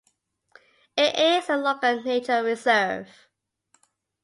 It is a Local Nature Reserve.